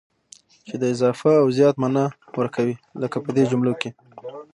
چي د اضافه او زيات مانا ور کوي، لکه په دې جملو کي: